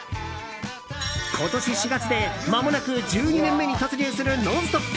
今年４月でまもなく１２年目に突入する「ノンストップ！」。